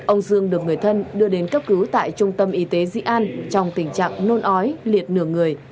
ông dương được người thân đưa đến cấp cứu tại trung tâm y tế dị an trong tình trạng nôn ói liệt nửa người